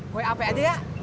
gue apek aja ya